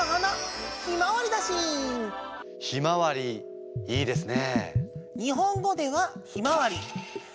ひまわりいいですね。